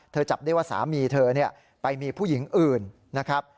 จับได้ว่าสามีเธอไปมีผู้หญิงอื่นนะครับ